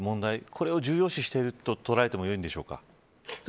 これを重要視していると捉えてもいいんでしょうか。